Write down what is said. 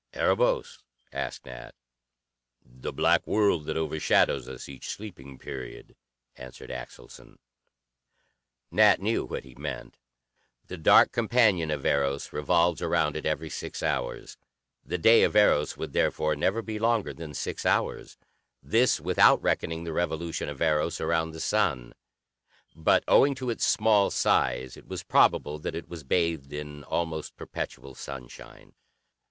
"Erebos?" asked Nat. "The black world that overshadows us each sleeping period," answered Axelson. Nat knew what he meant. The dark companion of Eros revolves around it every six hours; the day of Eros would therefore never be longer than six hours, this without reckoning the revolution of Eros around the sun. But owing to its small size, it was probable that it was bathed in almost perpetual sunshine.